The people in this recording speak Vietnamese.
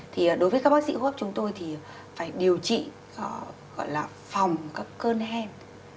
thì đối với các bác sĩ hô hấp chúng tôi thì phải điều trị gọi là phòng các cơn hen